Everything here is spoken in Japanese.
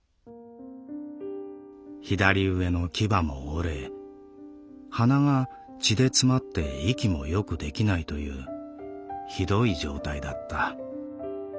左上の牙も折れ鼻が血で詰まって息もよくできないという酷い状態だった。